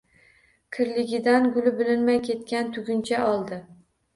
Kirligidan guli bilinmay ketgan tuguncha oldi.